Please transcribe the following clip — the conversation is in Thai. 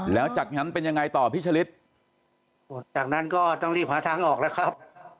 แล้วจากนั้นเป็นยังไงต่อพี่ชะลิดจากนั้นก็ต้องรีบหาทางออกแล้วครับ